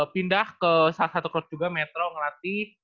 pindah ke salah satu klub juga metro ngelatih